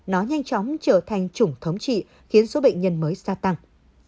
nó nhanh chóng trở thành chủng thống trị khiến số bệnh nhân mới gia tăng